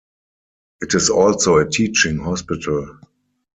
It is also a teaching hospital.